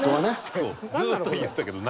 ずっと言ってたけど何？